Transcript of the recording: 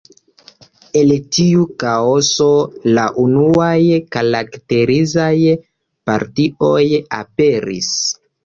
El tiu kaoso, la unuaj karakterizaj partioj aperis.